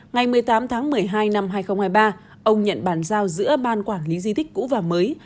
ngày một mươi tám tháng một mươi hai năm hai nghìn hai mươi ba ông nhận bàn giao giữa ban quản lý di tích cũ và mới